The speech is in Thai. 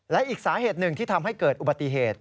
และอีกสาเหตุหนึ่งที่ทำให้เกิดอุบัติเหตุ